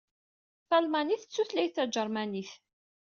Talmanit d tutlayt taǧermanit.